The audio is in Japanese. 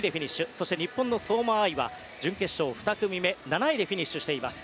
そして日本の相馬あいは準決勝２組目、７位でフィニッシュしています。